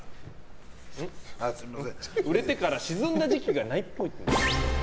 売れてから沈んだ時期がないっぽい。